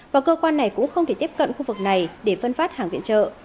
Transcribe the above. và cơ quan này cũng không thể tiếp cận khu vực này để phân phát hàng viện trợ